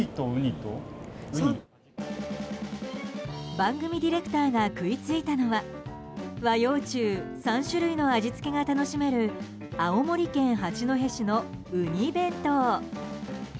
番組ディレクターが食いついたのは和洋中３種類の味付けが楽しめる青森県八戸市のウニ弁当。